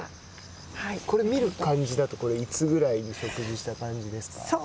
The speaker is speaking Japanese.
見た感じだといつぐらいに食事した感じですか。